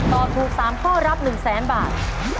ตอบถูก๓ข้อรับ๑แสนบาท